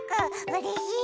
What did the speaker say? うれしい！